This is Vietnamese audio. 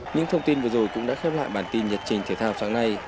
những thông tin vừa rồi cũng đã khép lại bản tin nhật trình thể thao sáng nay